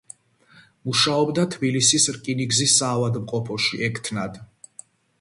მუშაობდა თბილისის რკინიგზის საავადმყოფოში ექთნად.